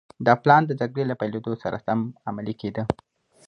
دا پلان د جګړې له پيلېدو سره سم عملي کېده.